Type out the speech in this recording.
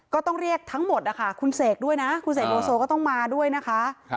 ก็ต้องเรียกทั้งหมดนะคะคุณเสกด้วยนะคุณเสกโลโซก็ต้องมาด้วยนะคะ